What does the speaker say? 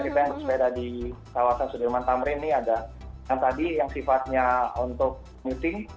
kita yang bersepeda di kawasan sudirman tamrin ini ada yang tadi yang sifatnya untuk meeting